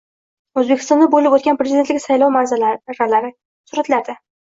O‘zbekistonda bo‘lib o‘tgan prezident saylovi manzaralari — suratlarda